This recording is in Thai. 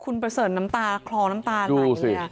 คุณประเสริฐน้ำตาคลอน้ำตาไหลเลย